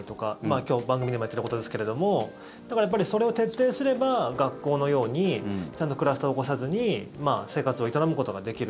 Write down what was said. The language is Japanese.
今日、番組でもやっていたことですけれどもだから、それを徹底すれば学校のようにちゃんとクラスターを起こさずに生活を営むことができる。